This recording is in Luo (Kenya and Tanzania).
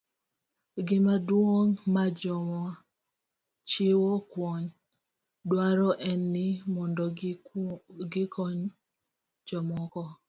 Gima duong' ma joma chiwo kony dwaro en ni mondo gikony jomoko.